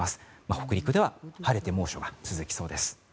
北陸では晴れて猛暑が続きそうです。